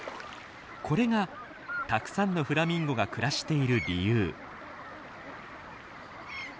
これがたくさんのフラミンゴが暮らしている理由。